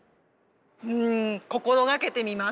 うん心がけてみます。